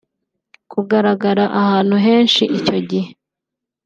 Kugaragara ahantu henshi icyo gihe